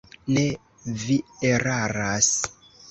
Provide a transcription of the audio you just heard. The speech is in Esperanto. Ne, vi eraras.